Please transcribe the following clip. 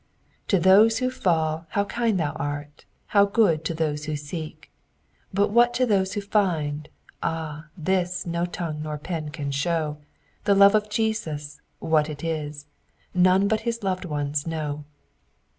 " To those who fall, how kind thou art ! How pood to those who seek 1 But what to those who find ? Ah! this Nor ton&:ac nor pen can show : The love of Jesus — what it Is, None but his loved ones know."